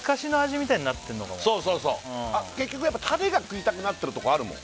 そうそうそう結局やっぱタレが食いたくなってるとこあるもん